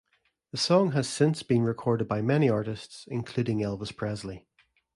The song has since been recorded by many artists, including Elvis Presley.